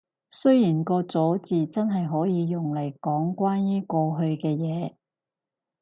雖然個咗字真係可以用嚟講關於過去嘅嘢